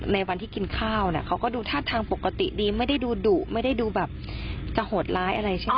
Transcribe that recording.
ในวันที่กินข้าวเนี่ยเขาก็ดูท่าทางปกติดีไม่ได้ดูดุไม่ได้ดูแบบจะโหดร้ายอะไรใช่ไหม